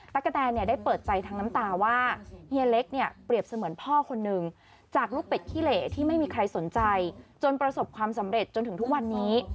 กะแตนเนี่ยได้เปิดใจทั้งน้ำตาว่าเฮียเล็กเนี่ยเปรียบเสมือนพ่อคนหนึ่งจากลูกเป็ดขี้เหลที่ไม่มีใครสนใจจนประสบความสำเร็จจนถึงทุกวันนี้